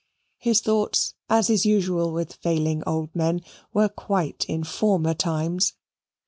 His thoughts, as is usual with failing old men, were quite in former times.